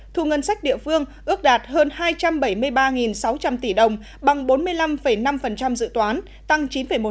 thu ngân sách địa phương ước đạt hơn hai trăm bảy mươi ba sáu trăm linh tỷ đồng bằng bốn mươi năm năm dự toán tăng chín một